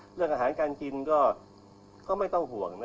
เรื่องอาหารการกินก็ไม่ต้องห่วงนะ